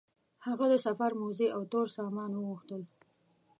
هغه د سفر موزې او تور سامان وغوښتل.